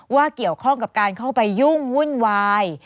เกี่ยวข้องกับการเข้าไปยุ่งวุ่นวาย